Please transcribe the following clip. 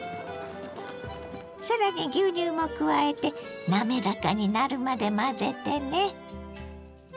さらに牛乳も加えて滑らかになるまで混ぜてね。